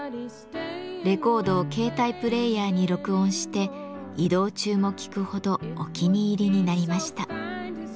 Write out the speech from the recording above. レコードを携帯プレーヤーに録音して移動中も聴くほどお気に入りになりました。